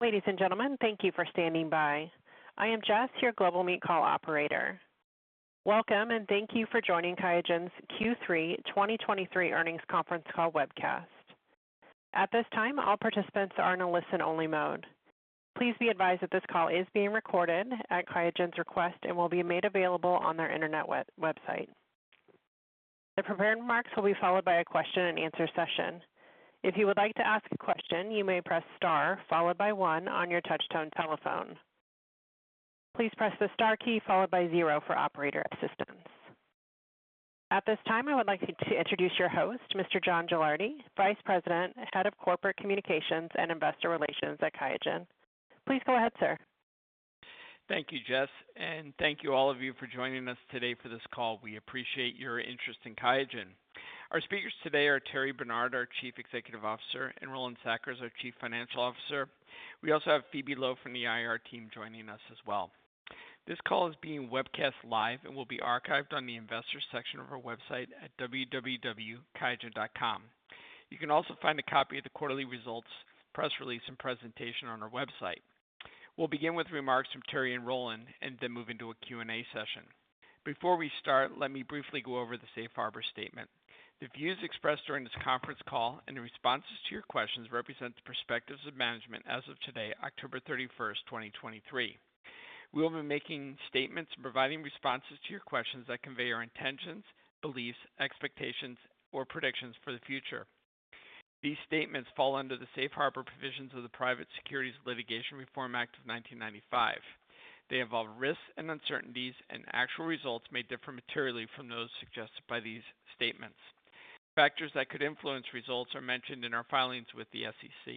Ladies and gentlemen, thank you for standing by. I am Jess, your GlobalMeet call operator. Welcome, and thank you for joining QIAGEN's Q3 2023 earnings conference call webcast. At this time, all participants are in a listen-only mode. Please be advised that this call is being recorded at QIAGEN's request and will be made available on their internet web-website. The prepared remarks will be followed by a question-and-answer session. If you would like to ask a question, you may press star followed by one on your touchtone telephone. Please press the star key followed by zero for operator assistance. At this time, I would like to introduce your host, Mr. John Gilardi, Vice President, Head of Corporate Communications and Investor Relations at QIAGEN. Please go ahead, sir. Thank you, Jess, and thank you all of you for joining us today for this call. We appreciate your interest in QIAGEN. Our speakers today are Thierry Bernard, our Chief Executive Officer, and Roland Sackers, our Chief Financial Officer. We also have Phoebe Loh from the IR team joining us as well. This call is being webcast live and will be archived on the Investors section of our website at www.qiagen.com. You can also find a copy of the quarterly results, press release, and presentation on our website. We'll begin with remarks from Thierry and Roland and then move into a Q&A session. Before we start, let me briefly go over the safe harbor statement. The views expressed during this conference call and the responses to your questions represent the perspectives of management as of today, October 31, 2023. We will be making statements and providing responses to your questions that convey our intentions, beliefs, expectations, or predictions for the future. These statements fall under the safe harbor provisions of the Private Securities Litigation Reform Act of 1995. They involve risks and uncertainties, and actual results may differ materially from those suggested by these statements. Factors that could influence results are mentioned in our filings with the SEC.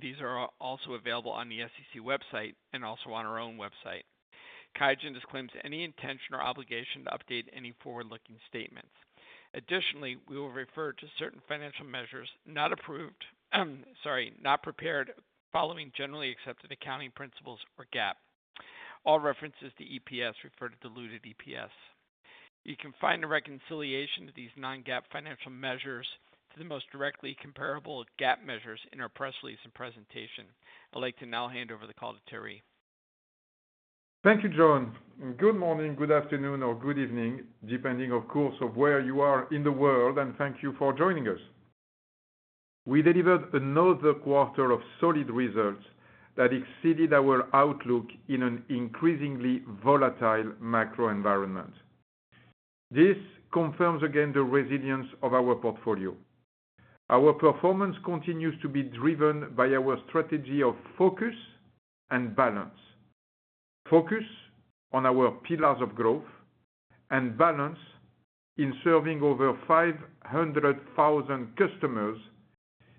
These are also available on the SEC website and also on our own website. QIAGEN disclaims any intention or obligation to update any forward-looking statements. Additionally, we will refer to certain financial measures not approved, sorry, not prepared, following generally accepted accounting principles or GAAP. All references to EPS refer to diluted EPS. You can find a reconciliation to these non-GAAP financial measures to the most directly comparable GAAP measures in our press release and presentation. I'd like to now hand over the call to Thierry. Thank you, John. Good morning, good afternoon, or good evening, depending, of course, on where you are in the world, and thank you for joining us. We delivered another quarter of solid results that exceeded our outlook in an increasingly volatile macro environment. This confirms again the resilience of our portfolio. Our performance continues to be driven by our strategy of focus and balance. Focus on our pillars of growth and balance in serving over 500,000 customers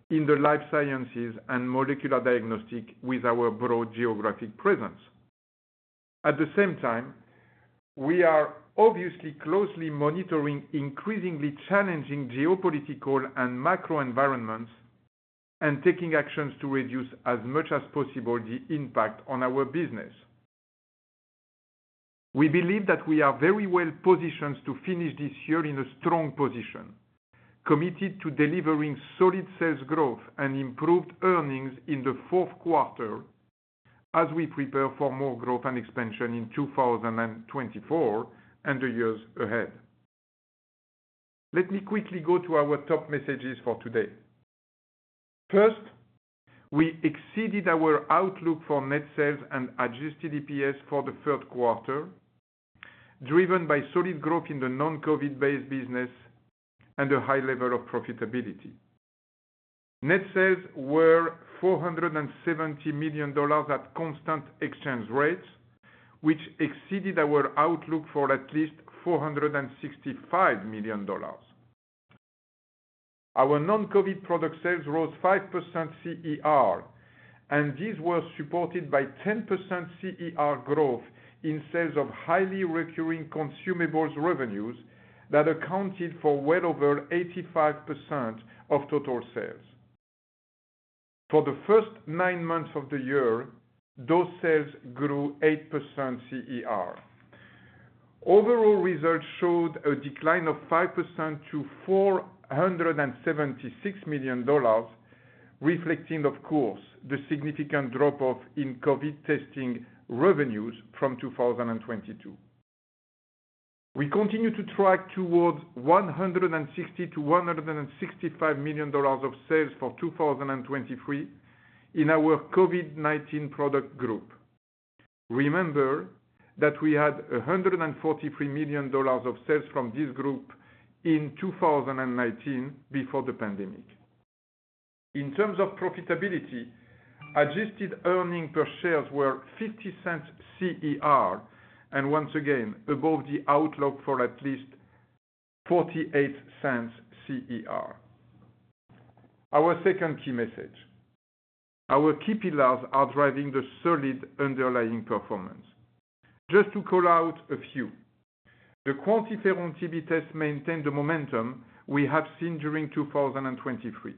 in the life sciences and molecular diagnostics with our broad geographic presence. At the same time, we are obviously closely monitoring increasingly challenging geopolitical and macro environments and taking actions to reduce as much as possible the impact on our business. We believe that we are very well positioned to finish this year in a strong position, committed to delivering solid sales growth and improved earnings in the fourth quarter as we prepare for more growth and expansion in 2024 and the years ahead. Let me quickly go to our top messages for today. First, we exceeded our outlook for net sales and adjusted EPS for the third quarter, driven by solid growth in the non-COVID-based business and a high level of profitability. Net sales were $470 million at constant exchange rates, which exceeded our outlook for at least $465 million. Our non-COVID product sales rose 5% CER, and this was supported by 10% CER growth in sales of highly recurring consumables revenues that accounted for well over 85% of total sales. For the first nine months of the year, those sales grew 8% CER. Overall results showed a decline of 5% to $476 million, reflecting, of course, the significant drop-off in COVID testing revenues from 2022. We continue to track towards $160 million-$165 million of sales for 2023 in our COVID-19 product group. Remember that we had $143 million of sales from this group in 2019 before the pandemic. In terms of profitability, adjusted earnings per shares were $0.50 CER, and once again, above the outlook for at least $0.48 CER. Our second key message, our key pillars are driving the solid underlying performance. Just to call out a few, the QuantiFERON-TB test maintained the momentum we have seen during 2023,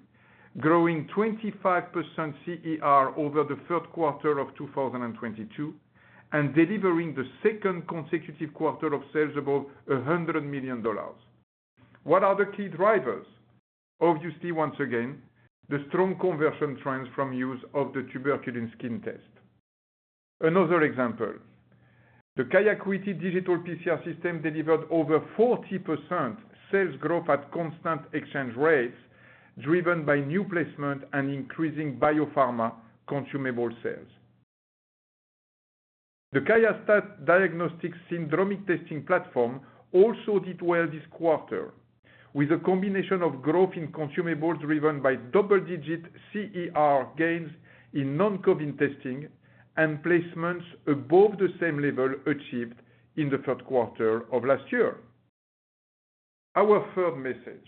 growing 25% CER over the third quarter of 2022, and delivering the second consecutive quarter of sales above $100 million. What are the key drivers? Obviously, once again, the strong conversion trends from use of the tuberculin skin test. Another example, the QIAcuity digital PCR System delivered over 40% sales growth at constant exchange rates, driven by new placement and increasing biopharma consumable sales. The QIAstat-Dx syndromic testing platform also did well this quarter, with a combination of growth in consumables driven by double-digit CER gains in non-COVID testing and placements above the same level achieved in the third quarter of last year. Our third message,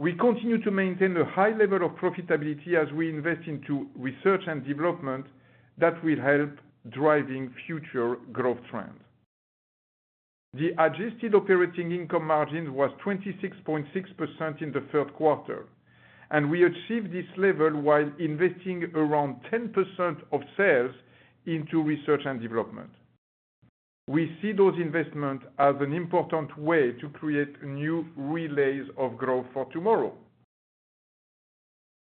we continue to maintain a high level of profitability as we invest into research and development that will help driving future growth trends. The adjusted operating income margin was 26.6% in the third quarter, and we achieved this level while investing around 10% of sales into research and development. We see those investment as an important way to create new relays of growth for tomorrow.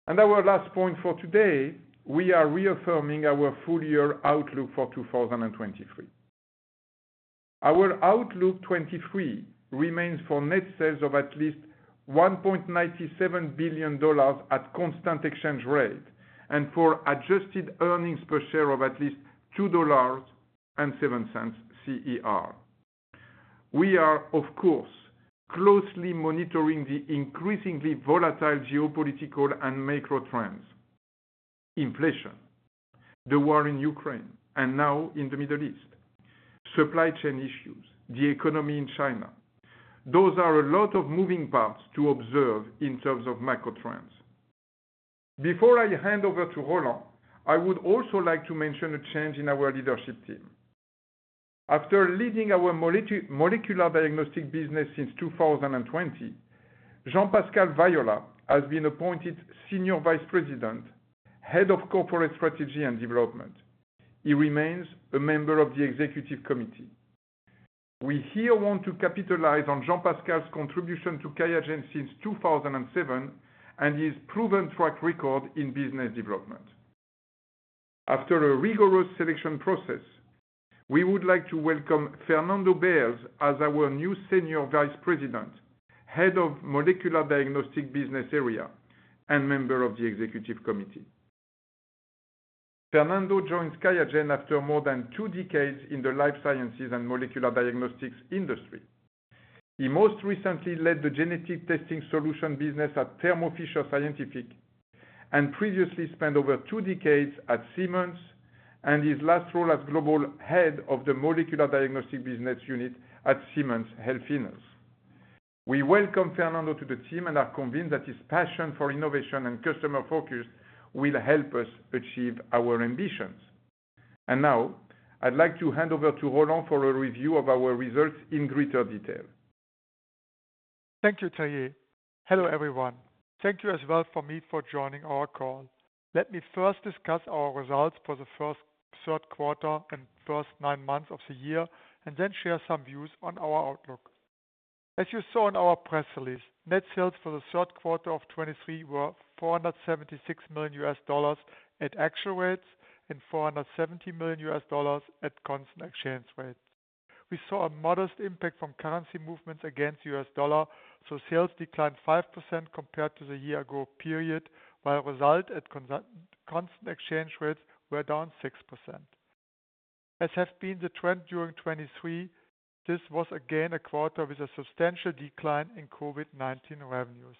Our last point for today, we are reaffirming our full year outlook for 2023. Our outlook 2023 remains for net sales of at least $1.97 billion at constant exchange rate, and for adjusted earnings per share of at least $2.07 CER. We are, of course, closely monitoring the increasingly volatile geopolitical and macro trends: inflation, the war in Ukraine, and now in the Middle East, supply chain issues, the economy in China. Those are a lot of moving parts to observe in terms of macro trends. Before I hand over to Roland, I would also like to mention a change in our leadership team. After leading our molecular diagnostic business since 2020, Jean-Pascal Viola has been appointed Senior Vice President, Head of Corporate Strategy and Development. He remains a member of the executive committee. We here want to capitalize on Jean-Pascal's contribution to QIAGEN since 2007, and his proven track record in business development. After a rigorous selection process, we would like to welcome Fernando Beils as our new Senior Vice President, Head of Molecular Diagnostics Business Area, and member of the executive committee. Fernando joined QIAGEN after more than two decades in the life sciences and molecular diagnostics industry. He most recently led the genetic testing solution business at Thermo Fisher Scientific, and previously spent over two decades at Siemens, and his last role as Global Head of the Molecular Diagnostics Business Unit at Siemens Healthineers. We welcome Fernando to the team and are convinced that his passion for innovation and customer focus will help us achieve our ambitions. And now, I'd like to hand over to Roland for a review of our results in greater detail. Thank you, Thierry. Hello, everyone. Thank you as well for me for joining our call. Let me first discuss our results for the first third quarter and first nine months of the year, and then share some views on our outlook. As you saw in our press release, net sales for the third quarter of 2023 were $476 million at actual rates and $470 million at constant exchange rates. We saw a modest impact from currency movements against the US dollar, so sales declined 5% compared to the year ago period, while results at constant exchange rates were down 6%. As has been the trend during 2023, this was again a quarter with a substantial decline in COVID-19 revenues.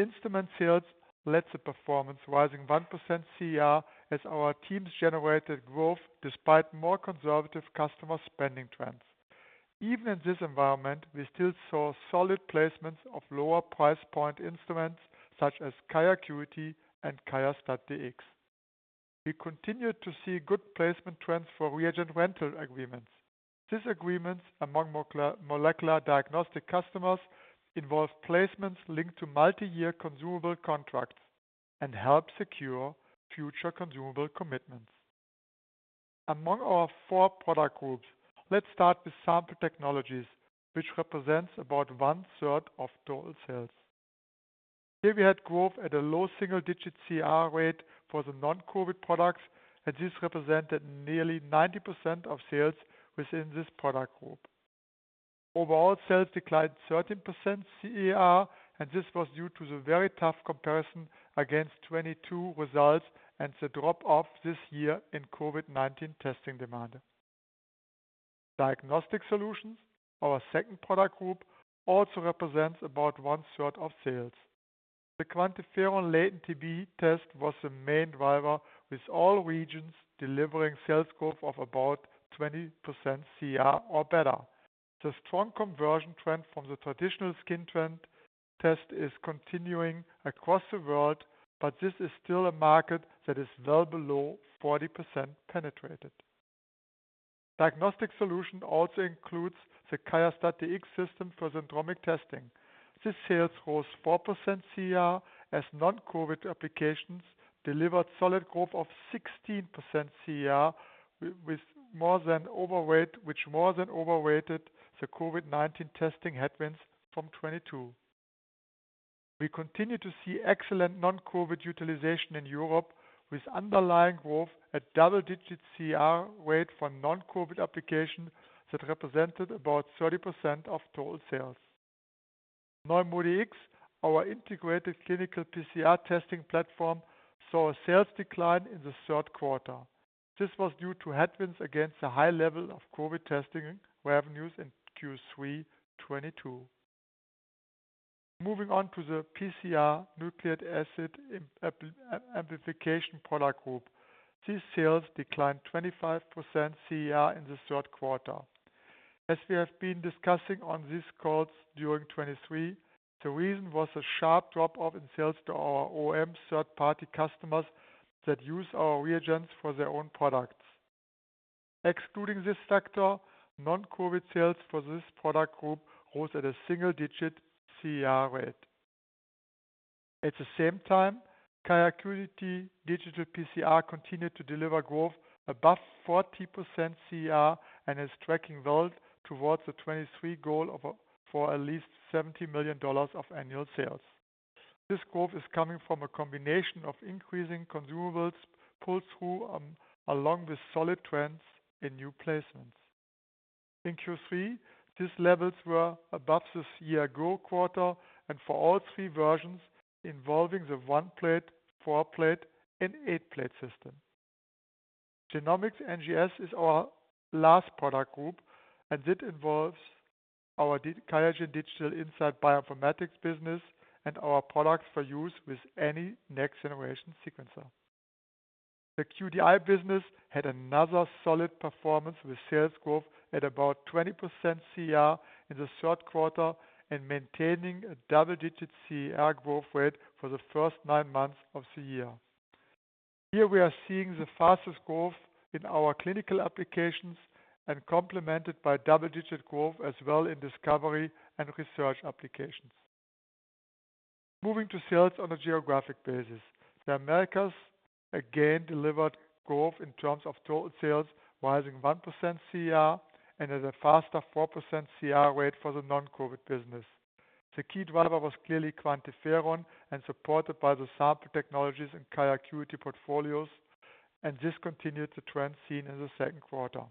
Instrument sales led the performance, rising 1% CER, as our teams generated growth despite more conservative customer spending trends. Even in this environment, we still saw solid placements of lower price point instruments such as QIAcuity and QIAstat-Dx. We continued to see good placement trends for reagent rental agreements. These agreements among molecular diagnostic customers involve placements linked to multi-year consumable contracts and help secure future consumable commitments. Among our four product groups, let's start with Sample Technologies, which represents about one-third of total sales. Here we had growth at a low single-digit CER rate for the non-COVID products, and this represented nearly 90% of sales within this product group. Overall, sales declined 13% CER, and this was due to the very tough comparison against 2022 results and the drop-off this year in COVID-19 testing demand. Diagnostic Solutions, our second product group, also represents about one third of sales. The QuantiFERON latent TB test was the main driver, with all regions delivering sales growth of about 20% CER or better. The strong conversion trend from the traditional skin test is continuing across the world, but this is still a market that is well below 40% penetrated. Diagnostic Solutions also includes the QIAstat-Dx system for syndromic testing. The sales rose 4% CER, as non-COVID applications delivered solid growth of 16% CER, with more than offset, which more than offset the COVID-19 testing headwinds from 2022. We continue to see excellent non-COVID utilization in Europe, with underlying growth at double-digit CER rate for non-COVID applications that represented about 30% of total sales. NeuMoDx, our integrated clinical PCR testing platform, saw a sales decline in the third quarter. This was due to headwinds against the high level of COVID testing revenues in Q3 2022. Moving on to the PCR Nucleic Acid Amplification product group, these sales declined 25% CER in the third quarter. As we have been discussing on these calls during 2023, the reason was a sharp drop-off in sales to our OEM third-party customers that use our reagents for their own products. Excluding this factor, non-COVID sales for this product group rose at a single-digit CER rate. At the same time, QIAcuity digital PCR continued to deliver growth above 40% CER and is tracking well towards the 2023 goal of at least $70 million of annual sales. This growth is coming from a combination of increasing consumables, pull-through, along with solid trends in new placements. In Q3, these levels were above this year ago quarter, and for all three versions involving the one-plate, four-plate, and eight-plate system. Genomics NGS is our last product group, and it involves our QIAGEN Digital Insights bioinformatics business and our products for use with any next-generation sequencer. The QDI business had another solid performance, with sales growth at about 20% CER in the third quarter and maintaining a double-digit CER growth rate for the first nine months of the year. Here, we are seeing the fastest growth in our clinical applications and complemented by double-digit growth as well in discovery and research applications. Moving to sales on a geographic basis, the Americas again delivered growth in terms of total sales, rising 1% CER and at a faster 4% CER rate for the non-COVID business. The key driver was clearly QuantiFERON and supported by the Sample Technologies and QIAcuity portfolios, and this continued the trend seen in the second quarter.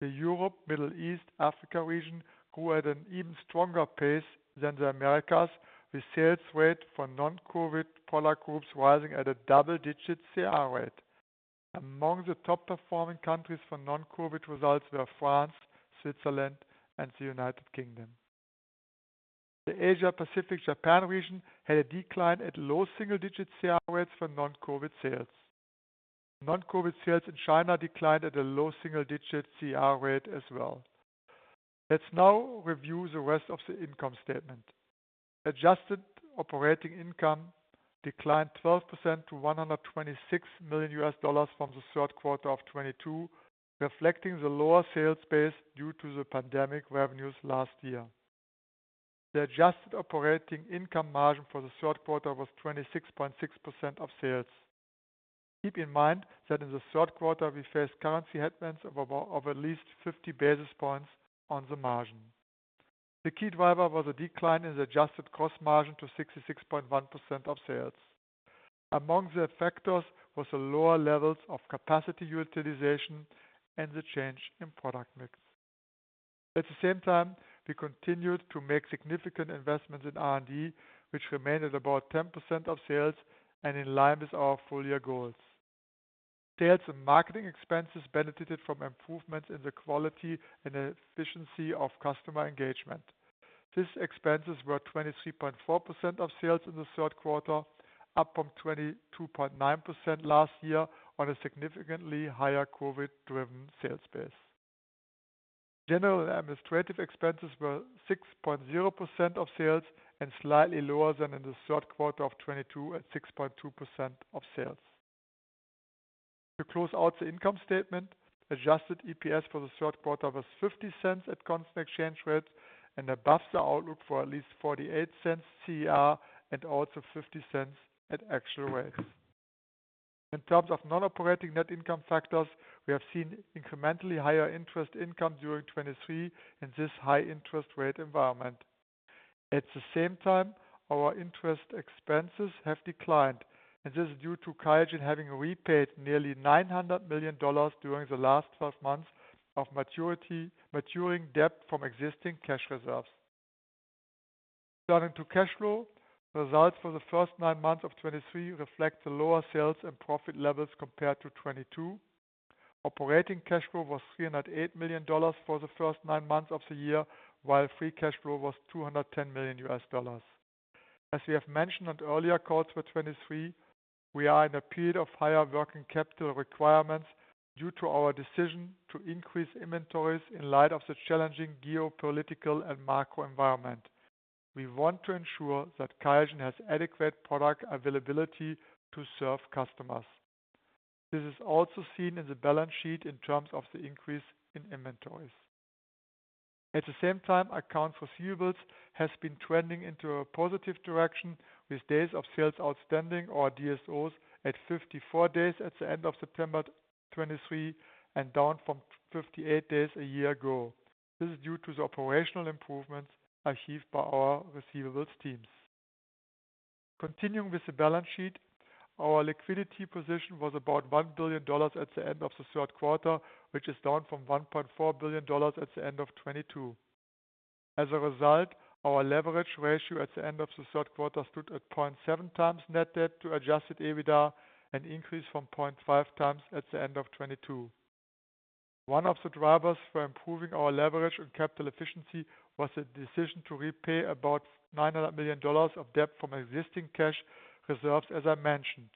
The Europe, Middle East, Africa region grew at an even stronger pace than the Americas, with sales rate for non-COVID product groups rising at a double-digit CER rate. Among the top-performing countries for non-COVID results were France, Switzerland, and the United Kingdom. The Asia Pacific Japan region had a decline at low single-digit CER rates for non-COVID sales. Non-COVID sales in China declined at a low single-digit CER rate as well. Let's now review the rest of the income statement. Adjusted operating income declined 12% to $126 million from the third quarter of 2022, reflecting the lower sales base due to the pandemic revenues last year. The adjusted operating income margin for the third quarter was 26.6% of sales. Keep in mind that in the third quarter, we faced currency headwinds of at least 50 basis points on the margin. The key driver was a decline in the adjusted gross margin to 66.1% of sales. Among the factors was the lower levels of capacity utilization and the change in product mix. At the same time, we continued to make significant investments in R&D, which remained at about 10% of sales and in line with our full-year goals. Sales and marketing expenses benefited from improvements in the quality and efficiency of customer engagement. These expenses were 23.4% of sales in the third quarter, up from 22.9% last year on a significantly higher COVID-driven sales base. General administrative expenses were 6.0% of sales and slightly lower than in the third quarter of 2022, at 6.2% of sales. To close out the income statement, adjusted EPS for the third quarter was $0.50 at constant exchange rates and above the outlook for at least $0.48 CER and also $0.50 at actual rates. In terms of non-operating net income factors, we have seen incrementally higher interest income during 2023 in this high interest rate environment. At the same time, our interest expenses have declined, and this is due to QIAGEN having repaid nearly $900 million during the last 12 months of maturity, maturing debt from existing cash reserves. Turning to cash flow, results for the first nine months of 2023 reflect the lower sales and profit levels compared to 2022. Operating cash flow was $308 million for the first nine months of the year, while free cash flow was $210 million. As we have mentioned on earlier calls for 2023, we are in a period of higher working capital requirements due to our decision to increase inventories in light of the challenging geopolitical and macro environment. We want to ensure that QIAGEN has adequate product availability to serve customers. This is also seen in the balance sheet in terms of the increase in inventories. At the same time, accounts receivables has been trending into a positive direction, with days of sales outstanding, or DSOs, at 54 days at the end of September 2023, and down from 58 days a year ago. This is due to the operational improvements achieved by our receivables teams. Continuing with the balance sheet, our liquidity position was about $1 billion at the end of the third quarter, which is down from $1.4 billion at the end of 2022. As a result, our leverage ratio at the end of the third quarter stood at 0.7 times net debt to Adjusted EBITDA, an increase from 0.5 times at the end of 2022. One of the drivers for improving our leverage and capital efficiency was the decision to repay about $900 million of debt from existing cash reserves, as I mentioned.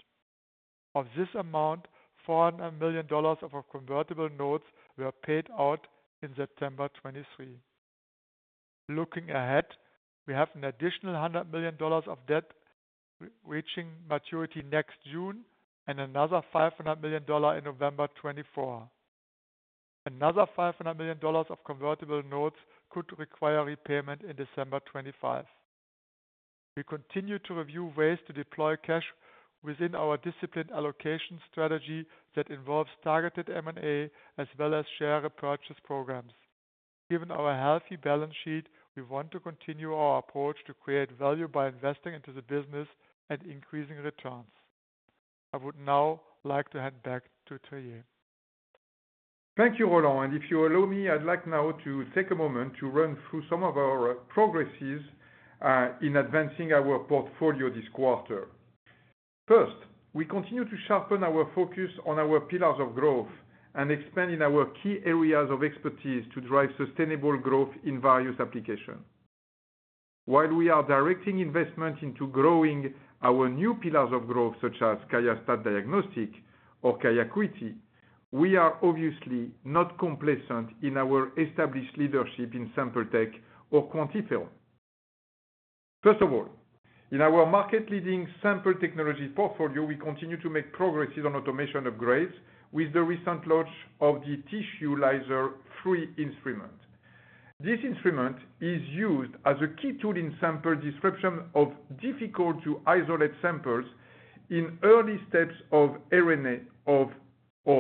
Of this amount, $400 million of our convertible notes were paid out in September 2023. Looking ahead, we have an additional $100 million of debt reaching maturity next June and another $500 million dollar in November 2024. Another $500 million of convertible notes could require repayment in December 2025. We continue to review ways to deploy cash within our disciplined allocation strategy that involves targeted M&A, as well as share repurchase programs. Given our healthy balance sheet, we want to continue our approach to create value by investing into the business and increasing returns. I would now like to hand back to Thierry. Thank you, Roland, and if you allow me, I'd like now to take a moment to run through some of our progresses in advancing our portfolio this quarter. First, we continue to sharpen our focus on our pillars of growth and expanding our key areas of expertise to drive sustainable growth in various applications. While we are directing investment into growing our new pillars of growth, such as QIAstat-Dx or QIAcuity, we are obviously not complacent in our established leadership in Sample Technologies or QuantiFERON. First of all, in our market-leading sample technology portfolio, we continue to make progresses on automation upgrades with the recent launch of the TissueLyser III instrument. This instrument is used as a key tool in sample disruption of difficult to isolate samples in early steps of RNA or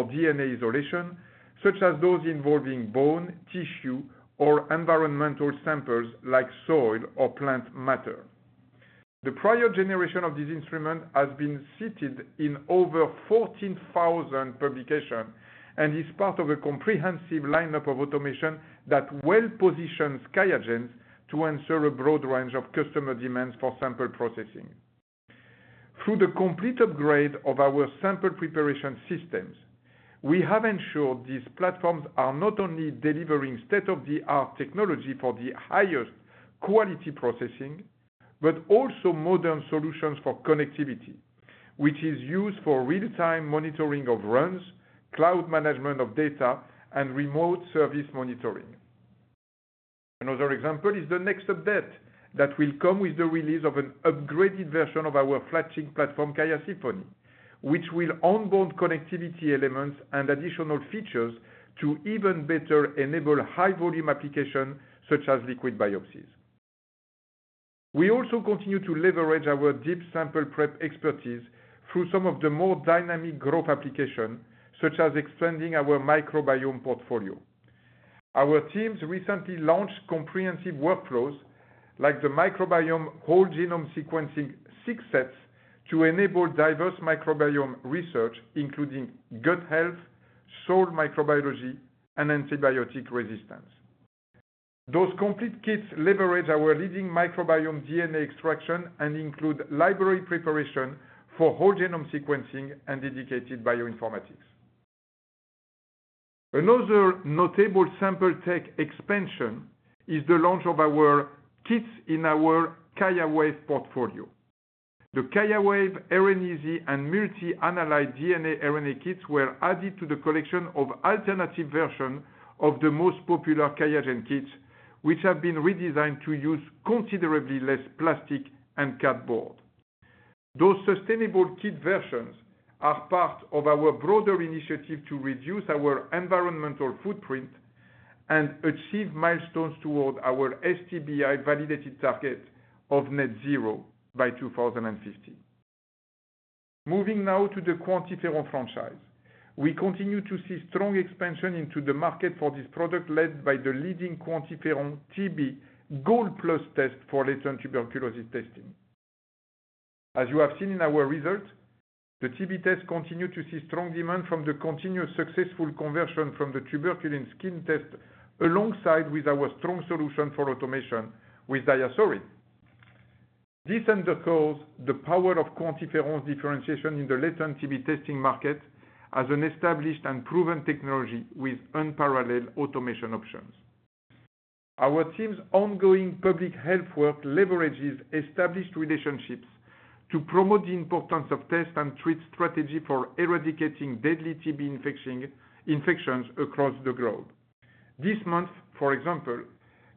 DNA isolation, such as those involving bone, tissue, or environmental samples like soil or plant matter. The prior generation of this instrument has been cited in over 14,000 publications, and is part of a comprehensive lineup of automation that well positions QIAGEN to answer a broad range of customer demands for sample processing. Through the complete upgrade of our sample preparation systems, we have ensured these platforms are not only delivering state-of-the-art technology for the highest quality processing, but also modern solutions for connectivity, which is used for real-time monitoring of runs, cloud management of data, and remote service monitoring. Another example is the next update that will come with the release of an upgraded version of our flagship platform, QIAsymphony, which will onboard connectivity elements and additional features to even better enable high volume application, such as liquid biopsies. We also continue to leverage our deep sample prep expertise through some of the more dynamic growth application, such as extending our microbiome portfolio. Our teams recently launched comprehensive workflows, like the microbiome whole genome sequencing sequence sets to enable diverse microbiome research, including gut health, soil microbiology, and antibiotic resistance. Those complete kits leverage our leading microbiome DNA extraction and include library preparation for whole genome sequencing and dedicated bioinformatics. Another notable sample tech expansion is the launch of our kits in our QIAwave portfolio. The QIAwave RNA and multi-analyte DNA, RNA kits were added to the collection of alternative version of the most popular QIAGEN kits, which have been redesigned to use considerably less plastic and cardboard. Those sustainable kit versions are part of our broader initiative to reduce our environmental footprint and achieve milestones toward our SBTi validated target of net zero by 2050. Moving now to the QuantiFERON franchise. We continue to see strong expansion into the market for this product, led by the leading QuantiFERON-TB Gold Plus test for latent tuberculosis testing. As you have seen in our results, the TB test continued to see strong demand from the continuous successful conversion from the tuberculin skin test, alongside with our strong solution for automation with DiaSorin. This underscores the power of QuantiFERON differentiation in the latent TB testing market as an established and proven technology with unparalleled automation options. Our team's ongoing public health work leverages established relationships to promote the importance of test and treat strategy for eradicating deadly TB infections across the globe. This month, for example,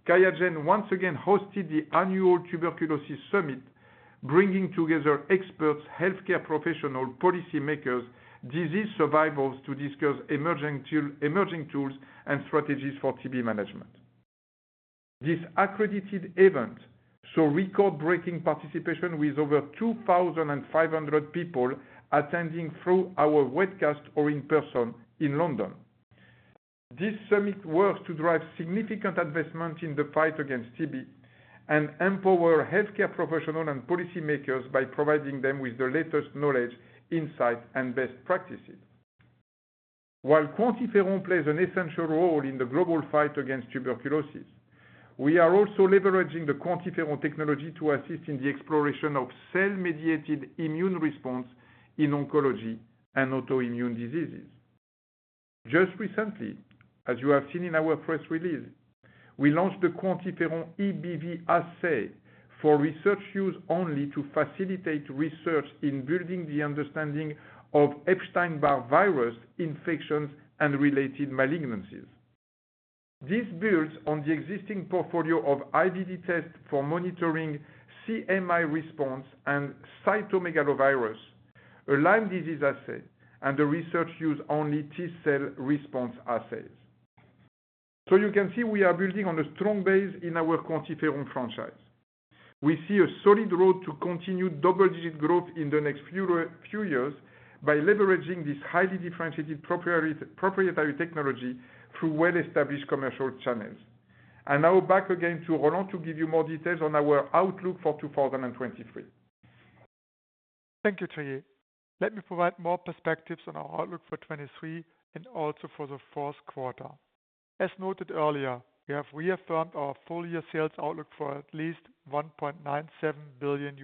QIAGEN once again hosted the annual Tuberculosis Summit, bringing together experts, healthcare professionals, policy makers, disease survivors, to discuss emerging tools and strategies for TB management. This accredited event saw record-breaking participation with over 2,500 people attending through our webcast or in person in London. This summit works to drive significant investment in the fight against TB and empower healthcare professionals and policy makers by providing them with the latest knowledge, insight, and best practices. While QuantiFERON plays an essential role in the global fight against tuberculosis, we are also leveraging the QuantiFERON technology to assist in the exploration of cell-mediated immune response in oncology and autoimmune diseases. Just recently, as you have seen in our press release, we launched the QuantiFERON-EBV assay for research use only to facilitate research in building the understanding of Epstein-Barr virus infections and related malignancies. This builds on the existing portfolio of IVD tests for monitoring CMI response and cytomegalovirus, a Lyme disease assay, and the research use only T cell response assays. So you can see we are building on a strong base in our QuantiFERON franchise. We see a solid road to continued double-digit growth in the next few years by leveraging this highly differentiated proprietary technology through well-established commercial channels. Now back again to Roland to give you more details on our outlook for 2023. Thank you, Thierry. Let me provide more perspectives on our outlook for 2023 and also for the fourth quarter. As noted earlier, we have reaffirmed our full-year sales outlook for at least $1.97 billion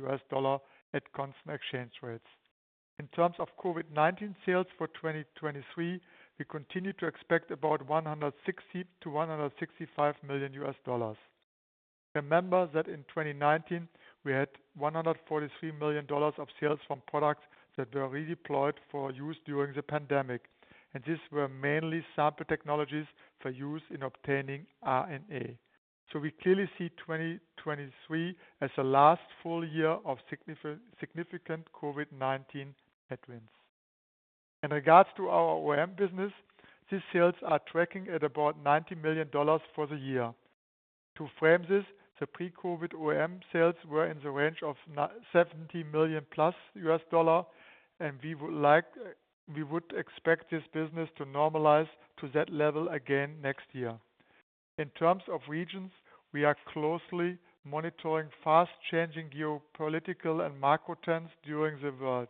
at constant exchange rates. In terms of COVID-19 sales for 2023, we continue to expect about $160 million-$165 million. Remember that in 2019, we had $143 million of sales from products that were redeployed for use during the pandemic, and these were mainly Sample Technologies for use in obtaining RNA. So we clearly see 2023 as a last full year of significant COVID-19 headwinds. In regards to our OEM business, these sales are tracking at about $90 million for the year. To frame this, the pre-COVID OEM sales were in the range of $90 million+, and we would expect this business to normalize to that level again next year. In terms of regions, we are closely monitoring fast-changing geopolitical and macro trends throughout the world.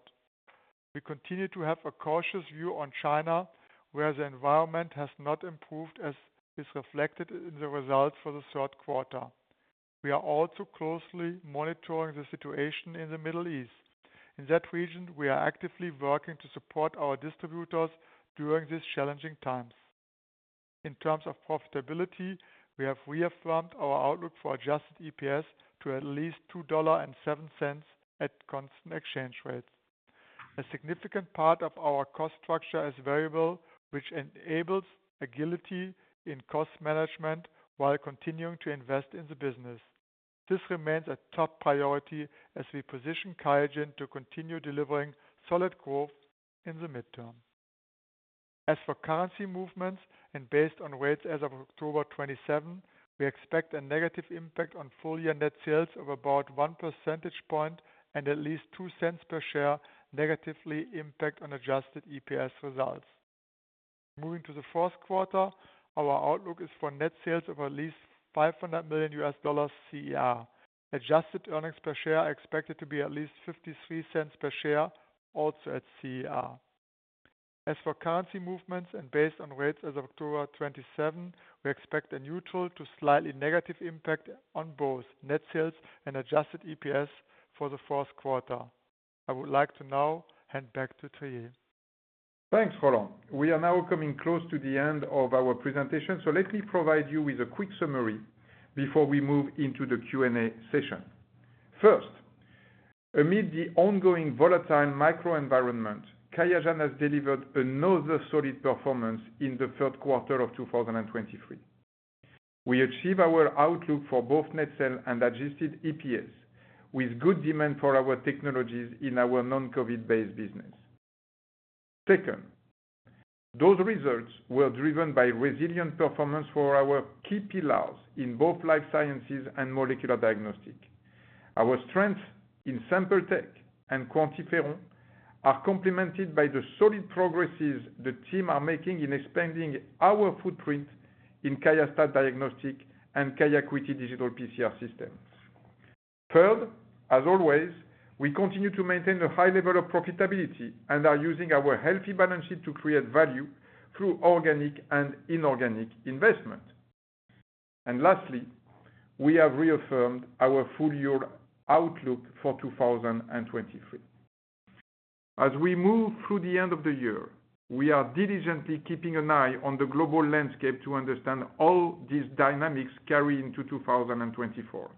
We continue to have a cautious view on China, where the environment has not improved, as is reflected in the results for the third quarter. We are also closely monitoring the situation in the Middle East. In that region, we are actively working to support our distributors during these challenging times. In terms of profitability, we have reaffirmed our outlook for adjusted EPS to at least $2.07 at constant exchange rates. A significant part of our cost structure is variable, which enables agility in cost management while continuing to invest in the business. This remains a top priority as we position QIAGEN to continue delivering solid growth in the midterm. As for currency movements, and based on rates as of October 27, we expect a negative impact on full-year net sales of about one percentage point and at least $0.02 per share, negatively impact on adjusted EPS results. Moving to the fourth quarter, our outlook is for net sales of at least $500 million CER. Adjusted earnings per share are expected to be at least $0.53 per share, also at CER. As for currency movements, and based on rates as of October 27, we expect a neutral to slightly negative impact on both net sales and adjusted EPS for the fourth quarter. I would like to now hand back to Thierry. Thanks, Roland. We are now coming close to the end of our presentation, so let me provide you with a quick summary before we move into the Q&A session. First, amid the ongoing volatile macroenvironment, QIAGEN has delivered another solid performance in the third quarter of 2023. We achieve our outlook for both net sales and adjusted EPS, with good demand for our technologies in our non-COVID-based business. Second, those results were driven by resilient performance for our key pillars in both life sciences and molecular diagnostic. Our strength in Sample Tech and QuantiFERON are complemented by the solid progresses the team are making in expanding our footprint in QIAstat-Dx and QIAcuity digital PCR systems. Third, as always, we continue to maintain a high level of profitability and are using our healthy balance sheet to create value through organic and inorganic investment. And lastly, we have reaffirmed our full-year outlook for 2023. As we move through the end of the year, we are diligently keeping an eye on the global landscape to understand all these dynamics carry into 2024.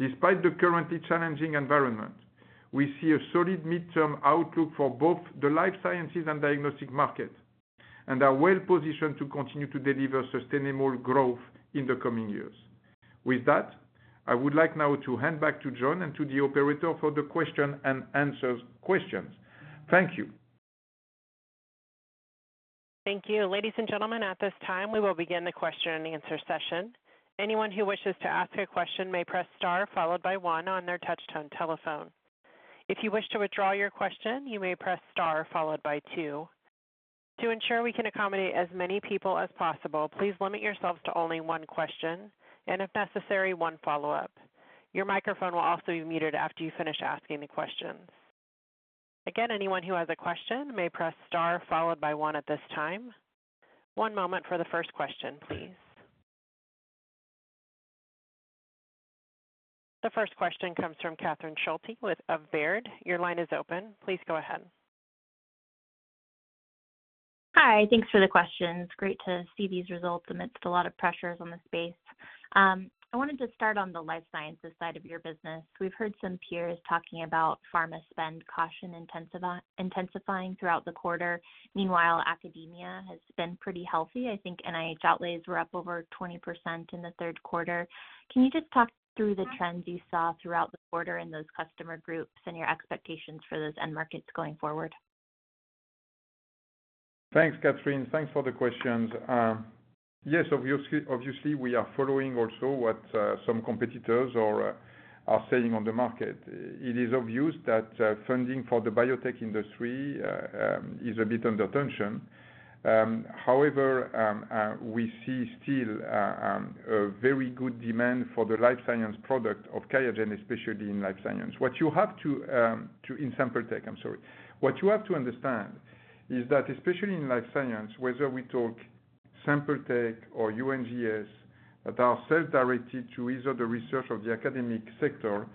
Despite the currently challenging environment, we see a solid midterm outlook for both the life sciences and diagnostic market, and are well positioned to continue to deliver sustainable growth in the coming years. With that, I would like now to hand back to John and to the operator for the question and answers questions. Thank you. Thank you. Ladies and gentlemen, at this time, we will begin the question-and-answer session. Anyone who wishes to ask a question may press star, followed by one on their touchtone telephone. If you wish to withdraw your question, you may press star followed by two. To ensure we can accommodate as many people as possible, please limit yourselves to only one question, and if necessary, one follow-up. Your microphone will also be muted after you finish asking the questions. Again, anyone who has a question may press star, followed by one at this time. One moment for the first question, please. The first question comes from Catherine Schulte with Baird. Your line is open. Please go ahead. Hi, thanks for the questions. Great to see these results amidst a lot of pressures on the space. I wanted to start on the life sciences side of your business. We've heard some peers talking about pharma spend caution intensifying throughout the quarter. Meanwhile, academia has been pretty healthy. I think NIH outlays were up over 20% in the third quarter. Can you just talk through the trends you saw throughout the quarter in those customer groups and your expectations for those end markets going forward? Thanks, Catherine. Thanks for the questions. Yes, obviously, we are following also what some competitors are saying on the market. It is obvious that funding for the biotech industry is a bit under tension. However, we see still a very good demand for the life science product of QIAGEN, especially in life science. What you have to understand is that, especially in life science, whether we talk sample tech or NGS, that are self-directed to either the research or the academic sector,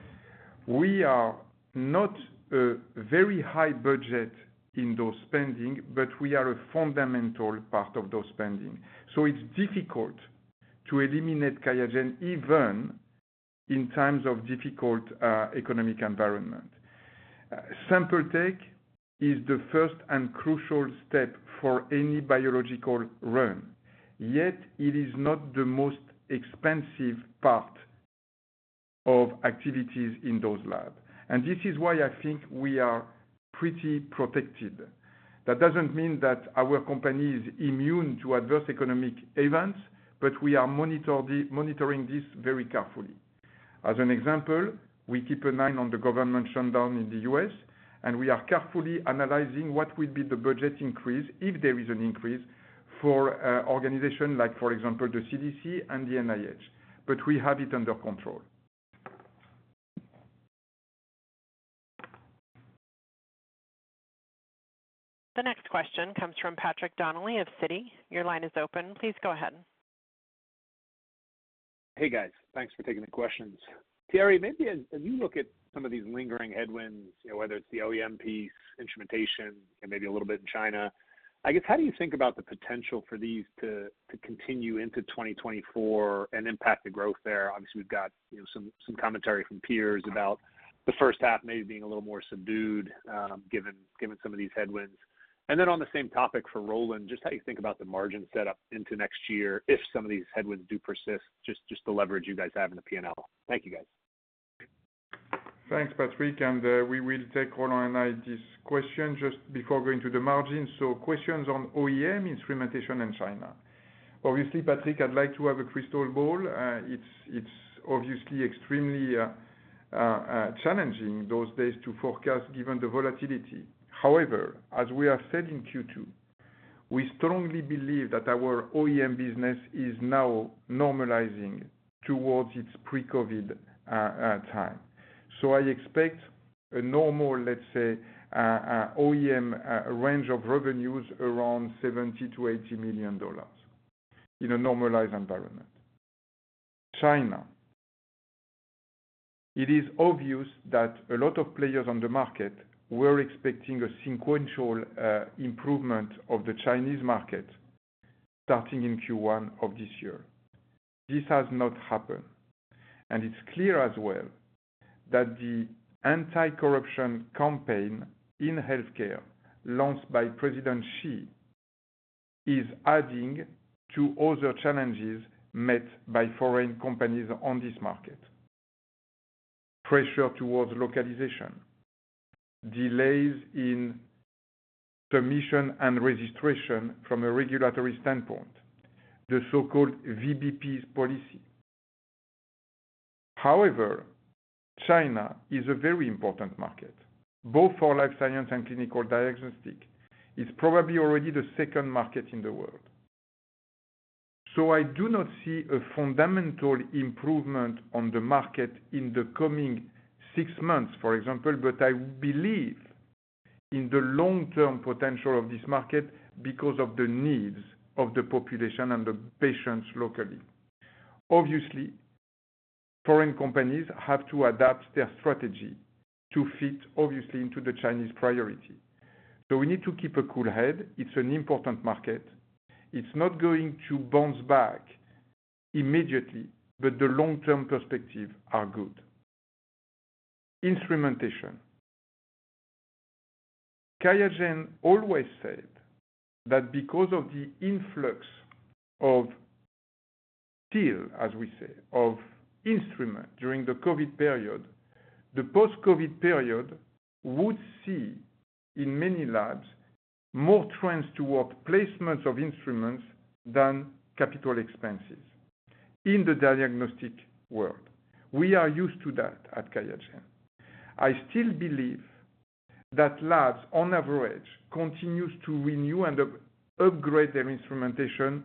we are not a very high budget in those spending, but we are a fundamental part of those spending. So it's difficult to eliminate QIAGEN, even in times of difficult economic environment. Sample prep is the first and crucial step for any biological run, yet it is not the most expensive part of activities in those labs. This is why I think we are pretty protected. That doesn't mean that our company is immune to adverse economic events, but we are monitoring this very carefully. As an example, we keep an eye on the government shutdown in the U.S., and we are carefully analyzing what will be the budget increase, if there is an increase, for, organization like, for example, the CDC and the NIH, but we have it under control. The next question comes from Patrick Donnelly of Citi. Your line is open. Please go ahead. Hey, guys. Thanks for taking the questions. Thierry, maybe as you look at some of these lingering headwinds, you know, whether it's the OEM piece, instrumentation, and maybe a little bit in China, I guess, how do you think about the potential for these to continue into 2024 and impact the growth there? Obviously, we've got, you know, some commentary from peers about the first half maybe being a little more subdued, given some of these headwinds. And then on the same topic for Roland, just how you think about the margin set up into next year if some of these headwinds do persist, just the leverage you guys have in the P&L. Thank you, guys. Thanks, Patrick, and we will take Roland and I, this question just before going to the margin. So questions on OEM, instrumentation and China. Obviously, Patrick, I'd like to have a crystal ball. It's obviously extremely challenging those days to forecast, given the volatility. However, as we have said in Q2, we strongly believe that our OEM business is now normalizing towards its pre-COVID time. So I expect a normal, let's say, OEM range of revenues around $70 million-$80 million in a normalized environment. China, it is obvious that a lot of players on the market were expecting a sequential improvement of the Chinese market starting in Q1 of this year. This has not happened, and it's clear as well that the anti-corruption campaign in healthcare, launched by President Xi, is adding to other challenges met by foreign companies on this market. Pressure towards localization, delays in submission and registration from a regulatory standpoint, the so-called VBP policy. However, China is a very important market, both for life science and clinical diagnostic. It's probably already the second market in the world. So I do not see a fundamental improvement on the market in the coming six months, for example, but I believe in the long-term potential of this market because of the needs of the population and the patients locally. Obviously, foreign companies have to adapt their strategy to fit obviously into the Chinese priority. So we need to keep a cool head. It's an important market. It's not going to bounce back immediately, but the long-term perspective are good. Instrumentation. QIAGEN always said that because of the influx of sales, as we say, of instruments during the COVID period, the post-COVID period would see, in many labs, more trends toward placements of instruments than capital expenses in the diagnostic world. We are used to that at QIAGEN. I still believe that labs, on average, continues to renew and upgrade their instrumentation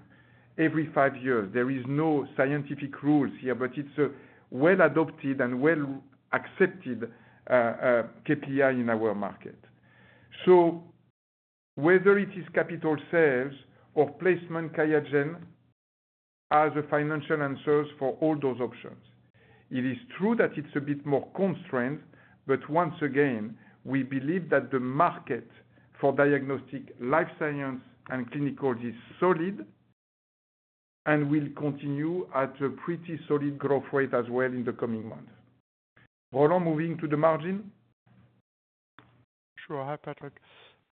every five years. There is no scientific rules here, but it's a well-adopted and well accepted KPI in our market. So whether it is capital sales or placement, QIAGEN has a financial answers for all those options. It is true that it's a bit more constrained, but once again, we believe that the market for diagnostic life science and clinical is solid, and will continue at a pretty solid growth rate as well in the coming months. Roland, moving to the margin? Sure. Hi, Patrick.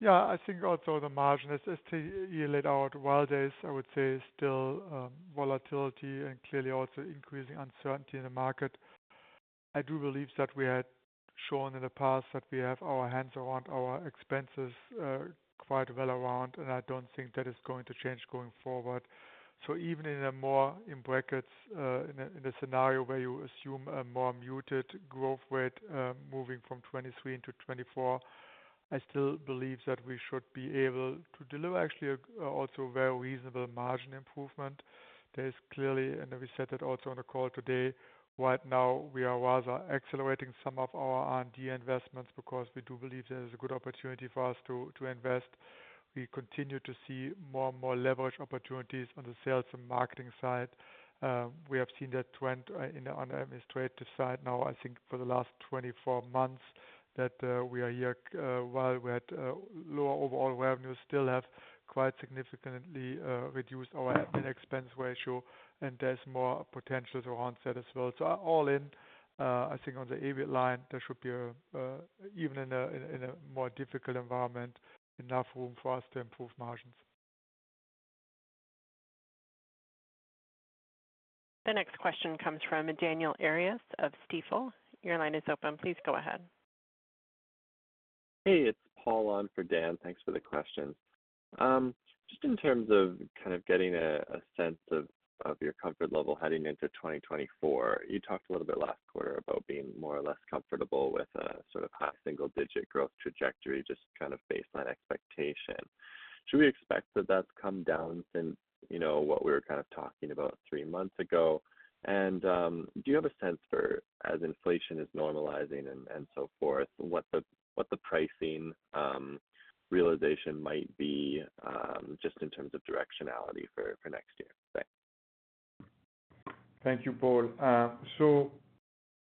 Yeah, I think also the margin, as you laid out, while there is, I would say, still volatility and clearly also increasing uncertainty in the market, I do believe that we had shown in the past that we have our hands around our expenses quite well, and I don't think that is going to change going forward. So even in a more in-brackets scenario where you assume a more muted growth rate, moving from 2023 into 2024, I still believe that we should be able to deliver actually a also very reasonable margin improvement. There is clearly, and we said that also on the call today, right now we are rather accelerating some of our R&D investments because we do believe there is a good opportunity for us to invest. We continue to see more and more leverage opportunities on the sales and marketing side. We have seen that trend on administrative side now, I think, for the last 24 months, that while we had lower overall revenues, still have quite significantly reduced our admin expense ratio, and there's more potential to offset as well. So all in, I think on the EBIT line, there should be even in a more difficult environment enough room for us to improve margins. The next question comes from Daniel Arias of Stifel. Your line is open. Please go ahead. Hey, it's Paul on for Dan. Thanks for the question. Just in terms of kind of getting a sense of your comfort level heading into 2024, you talked a little bit last quarter about being more or less comfortable with a sort of high single-digit growth trajectory, just kind of baseline expectation. Should we expect that that's come down since, you know, what we were kind of talking about three months ago? And, do you have a sense for, as inflation is normalizing and so forth, what the pricing realization might be, just in terms of directionality for next year? Thanks. Thank you, Paul. So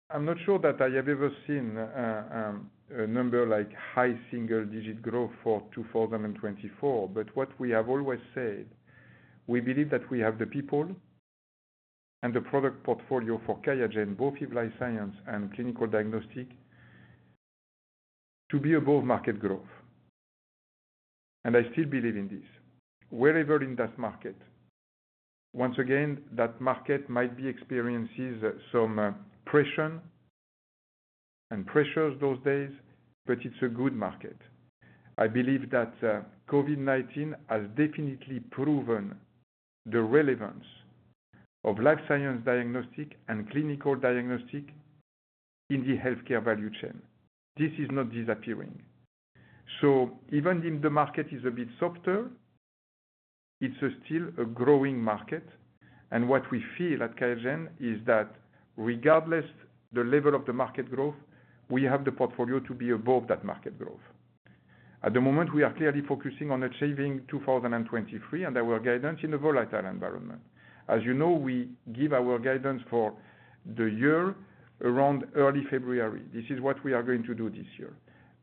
I'm not sure that I have ever seen a number like high single digit growth for 2024, but what we have always said, we believe that we have the people and the product portfolio for QIAGEN, both life science and clinical diagnostic, to be above market growth. And I still believe in this. Wherever in that market, once again, that market might be experiencing some pressure and pressures those days, but it's a good market. I believe that COVID-19 has definitely proven the relevance of life science diagnostic and clinical diagnostic in the healthcare value chain. This is not disappearing. So even if the market is a bit softer, it's still a growing market, and what we feel at QIAGEN is that regardless the level of the market growth, we have the portfolio to be above that market growth. At the moment, we are clearly focusing on achieving 2023 and our guidance in a volatile environment. As you know, we give our guidance for the year around early February. This is what we are going to do this year.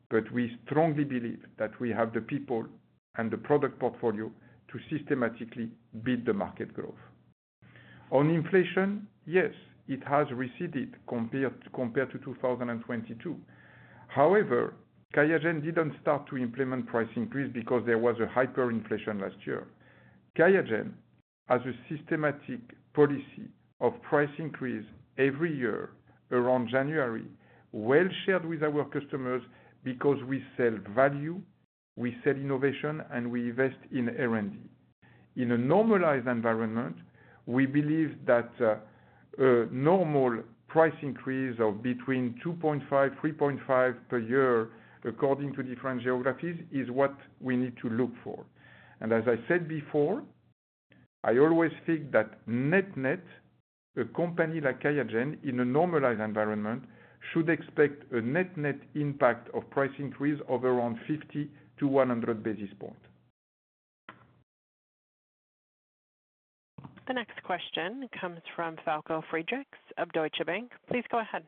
But we strongly believe that we have the people and the product portfolio to systematically beat the market growth. On inflation, yes, it has receded compared to 2022. However, QIAGEN didn't start to implement price increase because there was a hyperinflation last year. QIAGEN has a systematic policy of price increase every year around January, well shared with our customers because we sell value, we sell innovation, and we invest in R&D. In a normalized environment, we believe that a normal price increase of between 2.5-3.5 per year, according to different geographies, is what we need to look for. As I said before, I always think that net-net, a company like QIAGEN, in a normalized environment, should expect a net-net impact of price increase of around 50-100 basis points. The next question comes from Falko Friedrichs of Deutsche Bank. Please go ahead.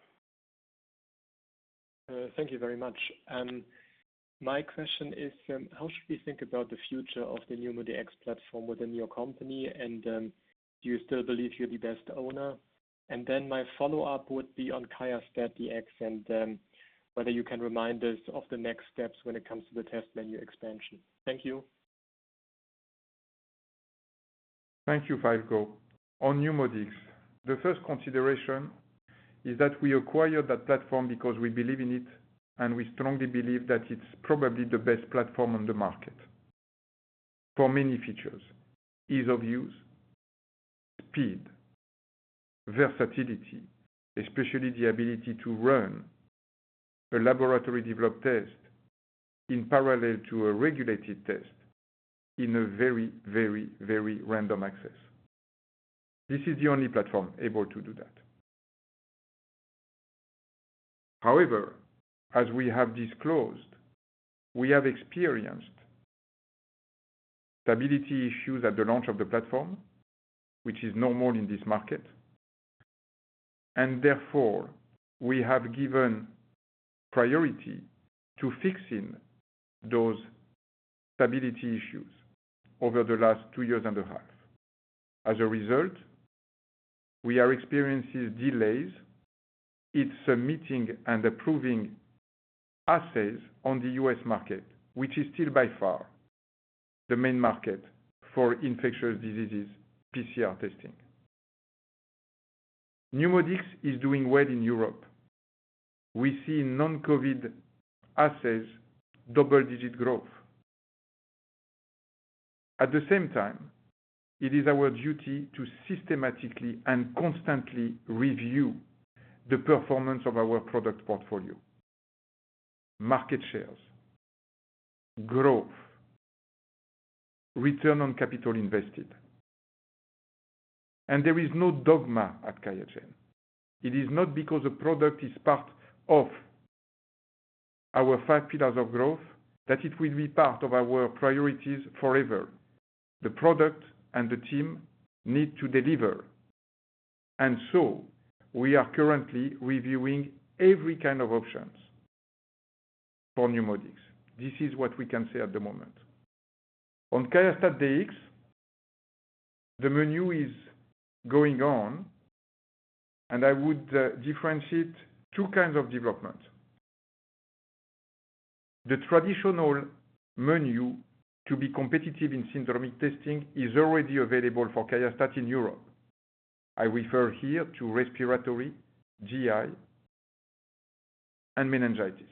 Thank you very much. My question is, how should we think about the future of the NeuMoDx platform within your company? And, do you still believe you're the best owner? And then my follow-up would be on QIAstat-Dx and, whether you can remind us of the next steps when it comes to the test menu expansion. Thank you. Thank you, Falko. On NeuMoDx, the first consideration is that we acquired that platform because we believe in it, and we strongly believe that it's probably the best platform on the market for many features: ease of use, speed, versatility, especially the ability to run a laboratory-developed test in parallel to a regulated test in a very, very, very random access. This is the only platform able to do that. However, as we have disclosed, we have experienced stability issues at the launch of the platform, which is normal in this market, and therefore, we have given priority to fixing those stability issues over the last two years and a half. As a result, we are experiencing delays in submitting and approving assays on the U.S. market, which is still by far the main market for infectious diseases PCR testing. NeuMoDx is doing well in Europe. We see non-COVID assays, double-digit growth. At the same time, it is our duty to systematically and constantly review the performance of our product portfolio, market shares, growth, return on capital invested. There is no dogma at QIAGEN. It is not because a product is part of our five pillars of growth, that it will be part of our priorities forever. The product and the team need to deliver, and so we are currently reviewing every kind of options for NeuMoDx. This is what we can say at the moment. On QIAstat-Dx, the menu is going on, and I would differentiate two kinds of development. The traditional menu to be competitive in syndromic testing is already available for QIAstat in Europe. I refer here to respiratory, GI, and meningitis.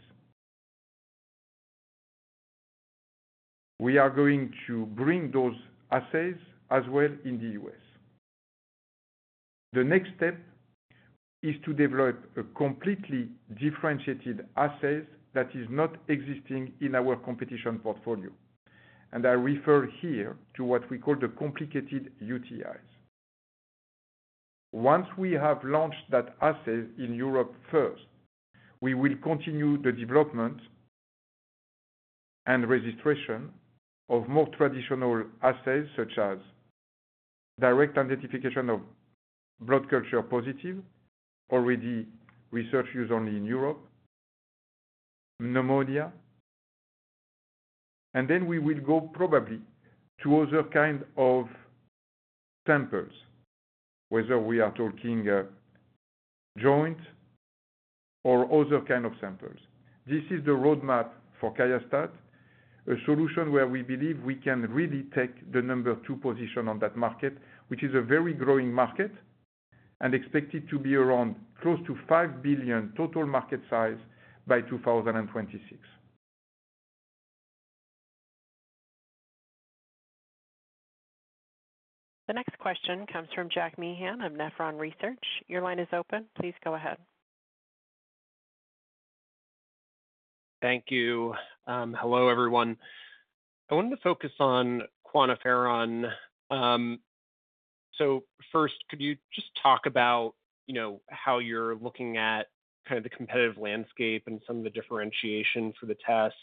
We are going to bring those assays as well in the US. The next step is to develop a completely differentiated assays that is not existing in our competition portfolio, and I refer here to what we call the complicated UTIs. Once we have launched that assay in Europe first, we will continue the development and registration of more traditional assays, such as direct identification of blood culture positive, already research use only in Europe, pneumonia. Then we will go probably to other kind of samples, whether we are talking, joint or other kind of samples. This is the roadmap for QIAstat, a solution where we believe we can really take the number two position on that market, which is a very growing market and expected to be around close to $5 billion total market size by 2026. The next question comes from Jack Meehan of Nephron Research. Your line is open. Please go ahead. Thank you. Hello, everyone. I wanted to focus on QuantiFERON. So first, could you just talk about, you know, how you're looking at kind of the competitive landscape and some of the differentiation for the test?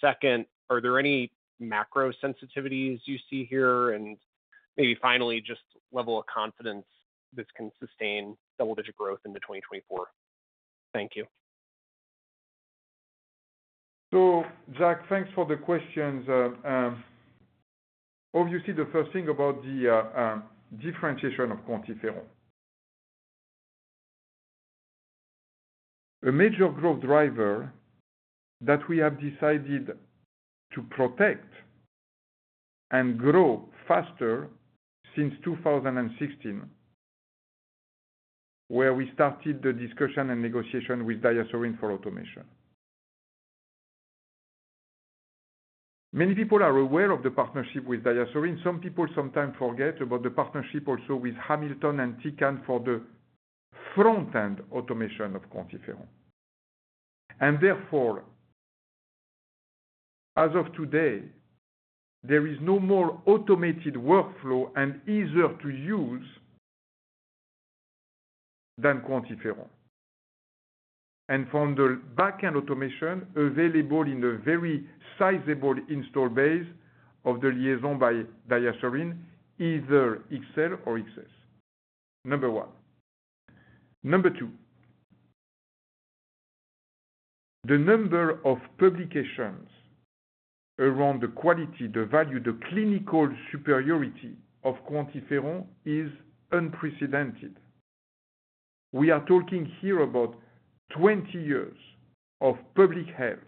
Second, are there any macro sensitivities you see here? And maybe finally, just level of confidence this can sustain double-digit growth into 2024. Thank you. So, Jack, thanks for the questions. Obviously, the first thing about the differentiation of QuantiFERON. A major growth driver that we have decided to protect and grow faster since 2016, where we started the discussion and negotiation with DiaSorin for automation. Many people are aware of the partnership with DiaSorin. Some people sometimes forget about the partnership also with Hamilton and Tecan for the front-end automation of QuantiFERON. And therefore, as of today, there is no more automated workflow and easier to use than QuantiFERON. And from the back end automation available in the very sizable install base of the LIAISON by DiaSorin, either XL or XS. Number one. Number two, the number of publications around the quality, the value, the clinical superiority of QuantiFERON is unprecedented. We are talking here about 20 years of public health,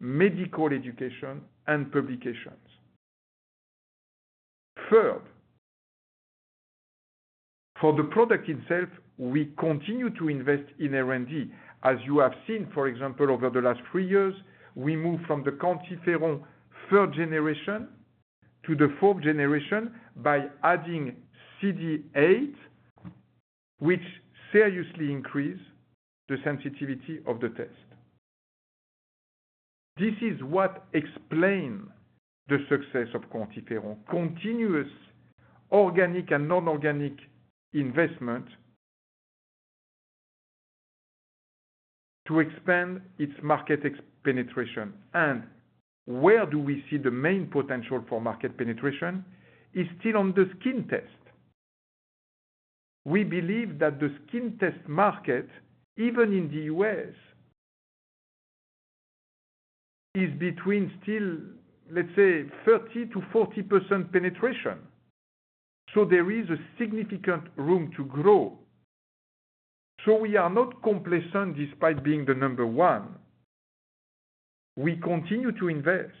medical education, and publications. Third, for the product itself, we continue to invest in R&D. As you have seen, for example, over the last three years, we moved from the QuantiFERON third generation to the fourth generation by adding CD8, which seriously increase the sensitivity of the test. This is what explain the success of QuantiFERON, continuous organic and non-organic investment to expand its market penetration. And where do we see the main potential for market penetration? It's still on the skin test. We believe that the skin test market, even in the U.S., is between still, let's say, 30%-40% penetration, so there is a significant room to grow. So we are not complacent despite being the number one. We continue to invest,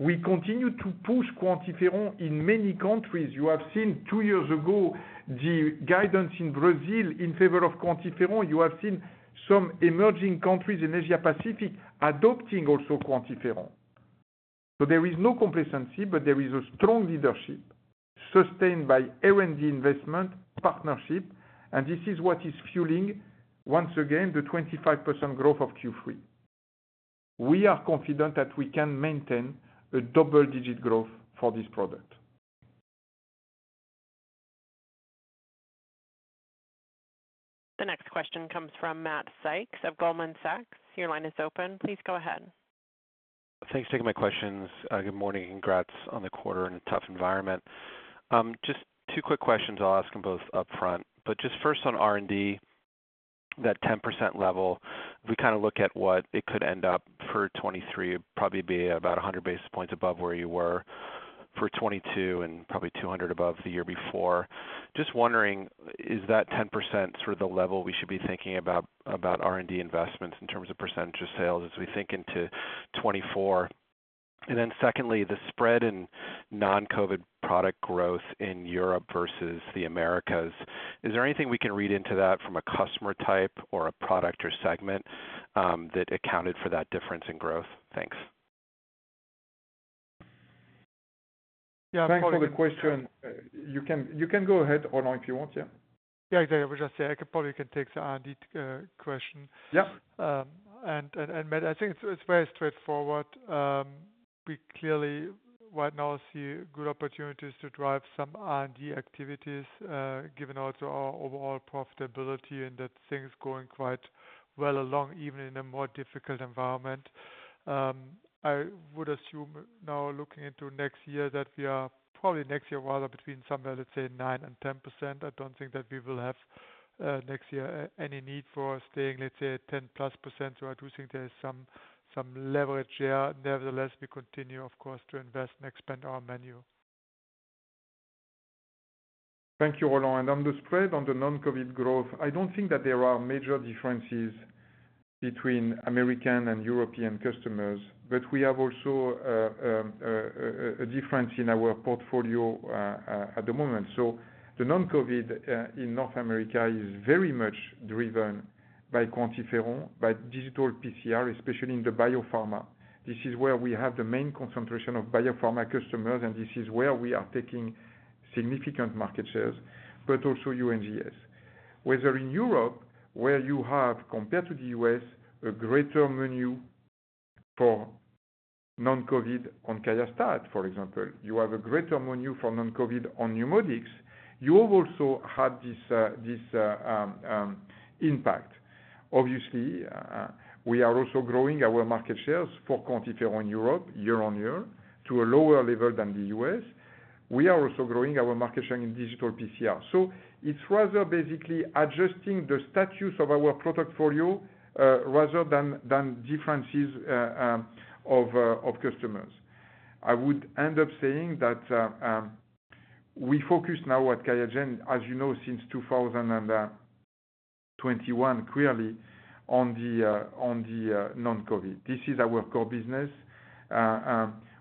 we continue to push QuantiFERON in many countries. You have seen two years ago, the guidance in Brazil in favor of QuantiFERON. You have seen some emerging countries in Asia Pacific adopting also QuantiFERON. So there is no complacency, but there is a strong leadership sustained by R&D investment, partnership, and this is what is fueling, once again, the 25% growth of Q3. We are confident that we can maintain a double-digit growth for this product. The next question comes from Matt Sykes of Goldman Sachs. Your line is open. Please go ahead. Thanks for taking my questions. Good morning, congrats on the quarter in a tough environment. Just two quick questions. I'll ask them both upfront, but just first on R&D, that 10% level, we kind of look at what it could end up for 2023, probably be about 100 basis points above where you were for 2022 and probably 200 above the year before. Just wondering, is that 10% sort of the level we should be thinking about, about R&D investments in terms of percentage of sales as we think into 2024? And then secondly, the spread in non-COVID product growth in Europe versus the Americas. Is there anything we can read into that from a customer type or a product or segment, that accounted for that difference in growth? Thanks. Yeah. Thanks for the question. You can, you can go ahead, Roland, if you want. Yeah. Yeah, I would just say, I could probably can take the R&D question. And Matt, I think it's very straightforward. We clearly right now see good opportunities to drive some R&D activities, given also our overall profitability and that things going quite well along, even in a more difficult environment. I would assume now, looking into next year, that we are probably next year, well, between somewhere, let's say 9%-10%. I don't think that we will have next year any need for staying, let's say, at 10%+. So I do think there is some leverage there. Nevertheless, we continue, of course, to invest and expand our menu. Thank you, Roland. On the spread, on the non-COVID growth, I don't think that there are major differences between American and European customers, but we have also a difference in our portfolio at the moment. The non-COVID in North America is very much driven by QuantiFERON, by digital PCR, especially in the biopharma. This is where we have the main concentration of biopharma customers, and this is where we are taking significant market shares, but also NGS. Whereas in Europe, where you have, compared to the U.S., a greater menu for non-COVID on QIAstat, for example, you have a greater menu for non-COVID on NeuMoDx. You also have this impact. Obviously, we are also growing our market shares for QuantiFERON in Europe year-over-year to a lower level than the U.S. We are also growing our market share in digital PCR. So it's rather basically adjusting the status of our product portfolio, rather than differences of customers. I would end up saying that we focus now at QIAGEN, as you know, since 2021, clearly on the non-COVID. This is our core business.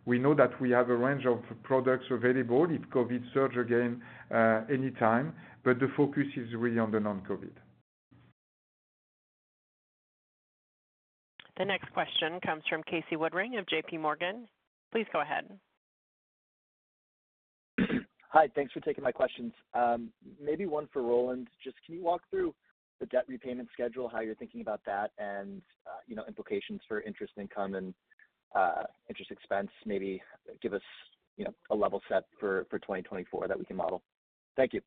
We know that we have a range of products available if COVID surge again, anytime, but the focus is really on the non-COVID. The next question comes from Casey Woodring of J.P. Morgan. Please go ahead. Hi, thanks for taking my questions. Maybe one for Roland. Just can you walk through the debt repayment schedule, how you're thinking about that and, you know, implications for interest income and interest expense. Maybe give us, you know, a level set for 2024 that we can model. Thank you.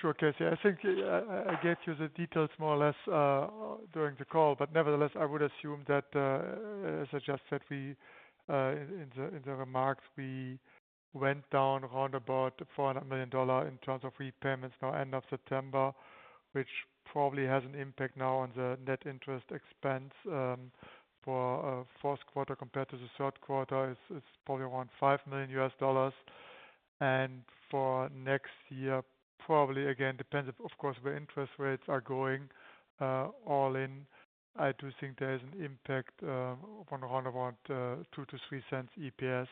Sure, Casey. I think I get you the details more or less during the call, but nevertheless, I would assume that as I just said, we in the remarks went down around about 400 million in terms of repayments now end of September, which probably has an impact now on the net interest expense for fourth quarter compared to the third quarter, is probably around $5 million. And for next year, probably again depends, of course, where interest rates are going, all in. I do think there is an impact upon around about 2-3 cents EPS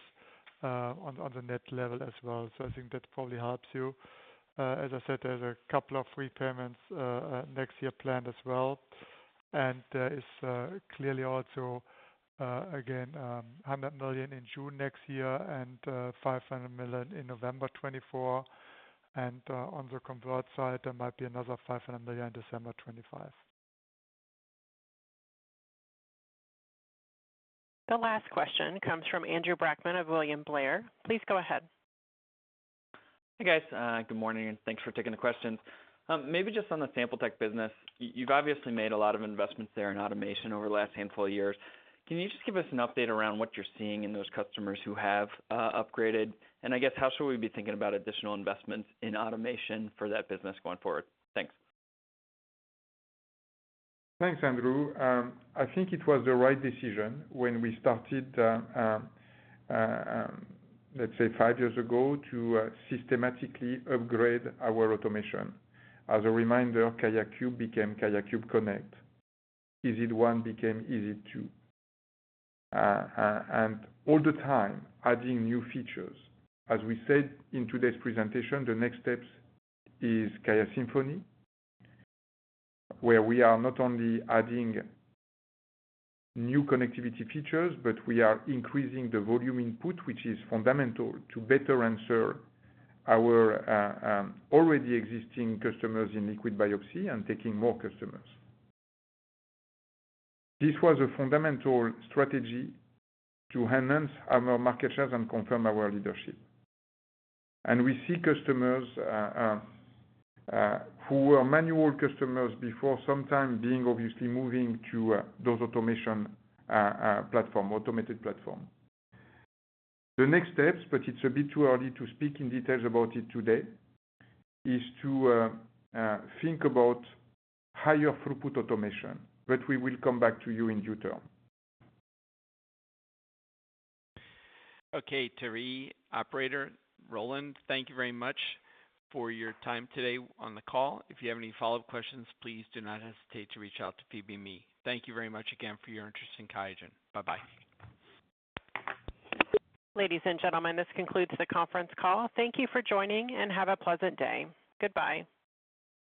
on the net level as well. So I think that probably helps you. As I said, there's a couple of repayments next year planned as well, and there is clearly also again $100 million in June next year and $500 million in November 2024. On the convert side, there might be another $500 million, December 2025. The last question comes from Andrew Brackman of William Blair. Please go ahead. Hey, guys, good morning, and thanks for taking the questions. Maybe just on the sample tech business, you've obviously made a lot of investments there in automation over the last handful of years. Can you just give us an update around what you're seeing in those customers who have upgraded? And I guess, how should we be thinking about additional investments in automation for that business going forward? Thanks. Thanks, Andrew. I think it was the right decision when we started, let's say five years ago, to systematically upgrade our automation. As a reminder, QIAcube became QIAcube Connect. EZ1 became EZ2. And all the time adding new features. As we said in today's presentation, the next steps is QIAsymphony, where we are not only adding new connectivity features, but we are increasing the volume input, which is fundamental to better answer our already existing customers in liquid biopsy and taking more customers. This was a fundamental strategy to enhance our market shares and confirm our leadership. And we see customers who were manual customers before, sometime being obviously moving to those automation platform, automated platform. The next steps, but it's a bit too early to speak in details about it today, is to think about higher throughput automation, but we will come back to you in due time. Okay. Thierry, operator, Roland, thank you very much for your time today on the call. If you have any follow-up questions, please do not hesitate to reach out to Phoebe Loh. Thank you very much again for your interest in QIAGEN. Bye-bye. Ladies and gentlemen, this concludes the conference call. Thank you for joining, and have a pleasant day. Goodbye.